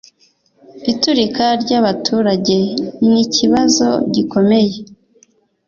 Iturika ryabaturage nikibazo gikomeye